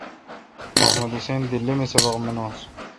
محمد حسین دیلی می سبق منس۔